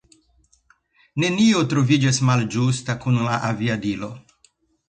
Nenio troviĝis malĝusta kun la aviadilo.